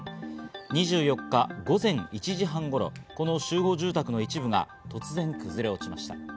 ２４日午前１時半頃、この集合住宅の一部が突然、崩れ落ちました。